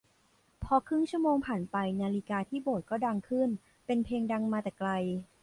พอครึ่งชั่วโมงผ่านไปนาฬิกาที่โบสถ์ก็ดังขึ้นเป็นเพลงดังมาแต่ไกล